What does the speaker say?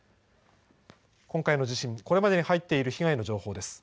今回の地震、これまでに入っている被害の情報です。